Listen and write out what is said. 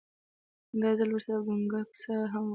دا ځل ورسره ګونګسه هم وه.